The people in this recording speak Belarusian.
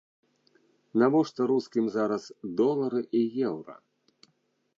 Навошта рускім зараз долары і еўра?